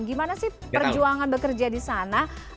gimana sih perjuangan bekerja di sana